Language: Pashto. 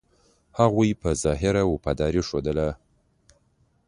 هغوی په ظاهره وفاداري ښودله.